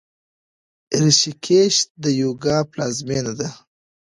ریشیکیش د یوګا پلازمینه ده.